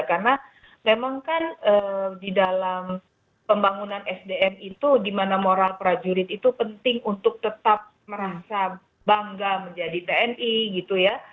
karena memang kan di dalam pembangunan sdm itu dimana moral prajurit itu penting untuk tetap merasa bangga menjadi tni gitu ya